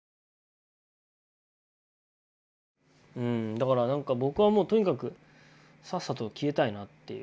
だからなんか僕はもうとにかくさっさと消えたいなっていう。